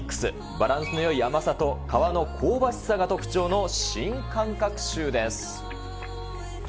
バランスのよい甘さと、皮の香ばしさが特徴の新感覚シューです。